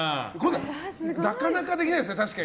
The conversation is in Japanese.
なかなかできないですよ、確かに。